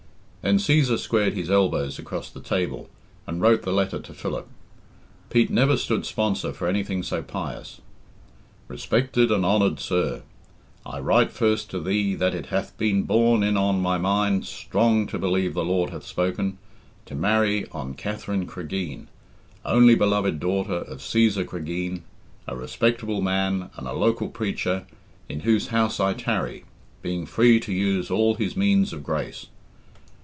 Then Cæsar squared his elbows across the table and wrote the letter to Philip. Pete never stood sponsor for anything so pious. "Respected and Honoured Sir, I write first to thee that it hath been borne in on my mind (strong to believe the Lord hath spoken) to marry on Katherine Cregeen, only beloved daughter of Cæsar Cregeen, a respectable man and a local preacher, in whose house I tarry, being free to use all his means of grace.